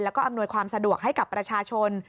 แล้วก็อำนวยความสะดวกให้กับประชาชน